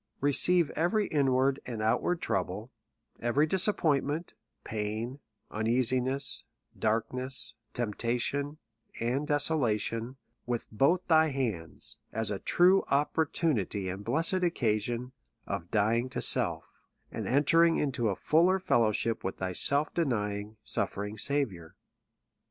Receive every inward and outward trouble — every disappointment, pain, uneasiness, darkness, temptation, and desolation, with both thy hands, as a true opportunity and blessed occasion of dying to self, and entering into a fuller fellowship with thy self de nying, sutfering Saviour.